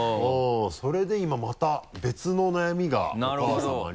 それで今また別の悩みがお母さまに。